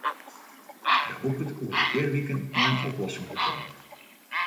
Hy hopet oer in pear wiken mei in oplossing te kommen.